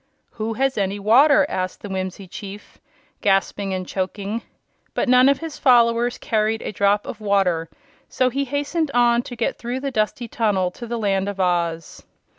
"Who has any water?" asked the Whimsie Chief, gasping and choking. But none of his followers carried a drop of water, so he hastened on to get through the dusty tunnel to the Land of Oz.